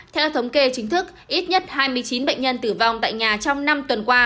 theo thống kê chính thức ít nhất hai mươi chín bệnh nhân tử vong tại nhà trong năm tuần qua